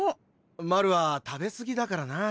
マルは食べ過ぎだからなあ。